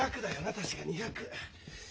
確か２００。